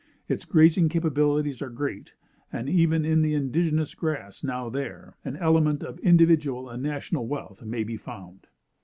Its grazing capabilities are great; and even in the indigenous grass now there, an element of individual and national wealth may be found.